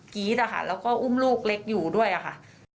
กรี๊ดอะค่ะแล้วก็อุ้มลูกเล็กอยู่ด้วยอะค่ะ